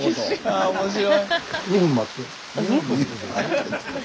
ああ面白い。